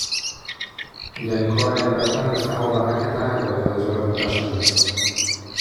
Jainkoaren baitan ez dago banaketa edo desberdintasunik.